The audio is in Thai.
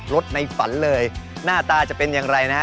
รถในฝันเลยหน้าตาจะเป็นอย่างไรนะฮะ